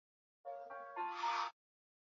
kwani Waisanzu Wanyilamba na Wanyaturu mmechukua